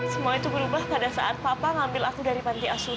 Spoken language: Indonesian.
semua itu berubah pada saat papa ngambil aku dari panti asuhan